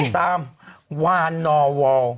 ตามวานอวอล